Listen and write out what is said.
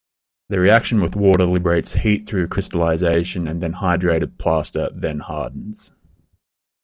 The reaction with water liberates heat through crystallization and the hydrated plaster then hardens.